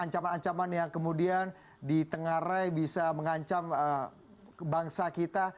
ancaman ancaman yang kemudian di tengah rai bisa mengancam bangsa kita